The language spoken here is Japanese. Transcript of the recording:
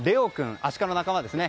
アシカの仲間ですね。